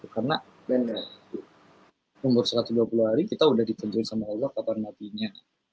karena umur satu ratus dua puluh hari kita udah ditunjukin sama allah kapan matinya